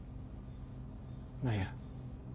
何や？